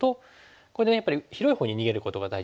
これでねやっぱり広いほうに逃げることが大事ですね。